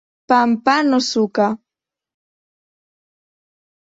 Pa amb pa no suca.